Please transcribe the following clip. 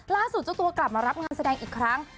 เจ้าตัวกลับมารับงานแสดงอีกครั้ง